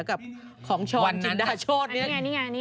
กับของชอนจิ๋นดาโช๊ตนี้